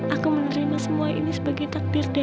aku menerima semua ini sebagai takdir dari allah